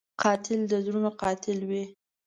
قاتل د زړونو قاتل وي